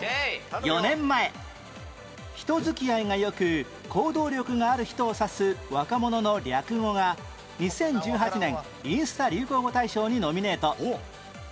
４年前人付き合いが良く行動力がある人を指す若者の略語が２０１８年インスタ流行語大賞にノミネート